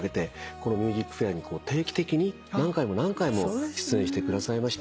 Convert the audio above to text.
この『ＭＵＳＩＣＦＡＩＲ』に定期的に何回も何回も出演してくださいました。